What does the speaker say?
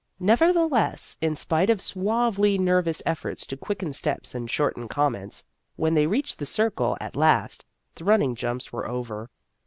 Nevertheless, in spite of suavely nervous efforts to quicken steps and shorten com ments, when they reached the Circle at last, the running jumps were over.